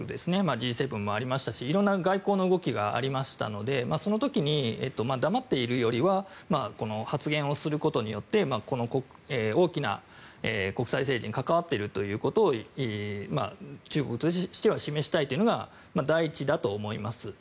Ｇ７もありましたしいろんな外交の動きがありましたのでその時に黙っているよりは発言をすることによって大きな国際政治に関わっているということを中国としては示したいというのが第一だと思います。